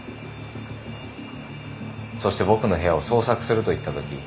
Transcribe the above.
そして僕の部屋を捜索すると言ったとき。